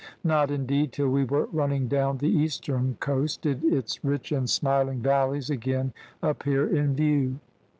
Not, indeed, till we were running down the eastern coast, did its rich and smiling valleys again appear in view.